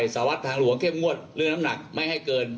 สารวัตรทางหลวงเข้มงวดเรื่องน้ำหนักไม่ให้เกิน